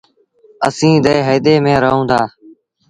اسيٚݩ ديه هئيدي ميݩ رهوݩ دآ